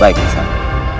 baiklah ke sana